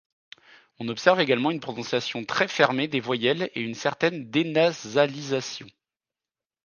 On observe également une prononciation très fermée des voyelles et et une certaine dénasalisation.